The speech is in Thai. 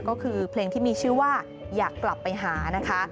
ก็คือเพลงที่มีชื่อว่าอยากกลับไปหานะคะ